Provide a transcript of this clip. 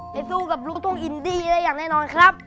ไปตู้กับรุกตรงอินดีอะไรอย่างแนี่ยครับ